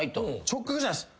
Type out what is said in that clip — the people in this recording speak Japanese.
直角じゃないです。